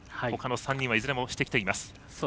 ほかの３人はいずれもしてきています。